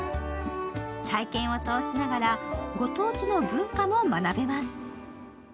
体験を通しながらご当地の文化も学べます。